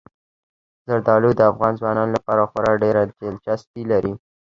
زردالو د افغان ځوانانو لپاره خورا ډېره دلچسپي لري.